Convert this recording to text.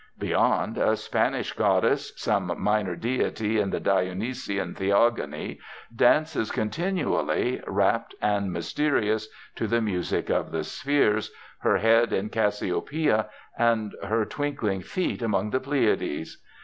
Beyond, a Spanish goddess, some minor deity in the Dionysian theogony, dances continually, rapt and mysterious, to the music of the spheres, her head in Cassiopeia and her twinkling feet among the Pleiades.